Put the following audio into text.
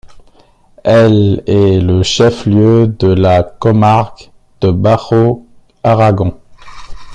Elle est le chef-lieu de la comarque de Bajo Aragón.